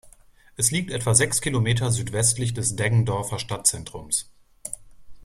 Es liegt etwa sechs Kilometer südwestlich des Deggendorfer Stadtzentrums.